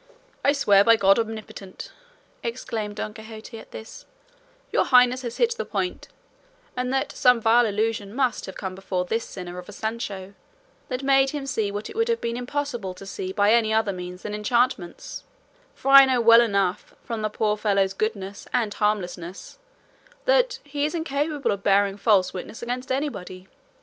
"I swear by God Omnipotent," exclaimed Don Quixote at this, "your highness has hit the point; and that some vile illusion must have come before this sinner of a Sancho, that made him see what it would have been impossible to see by any other means than enchantments; for I know well enough, from the poor fellow's goodness and harmlessness, that he is incapable of bearing false witness against anybody."